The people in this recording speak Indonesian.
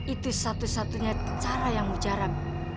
itu satu satunya cara yang mujarab